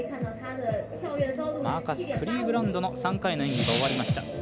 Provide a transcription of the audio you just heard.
マーカス・クリーブランドの３回の演技が終わりました。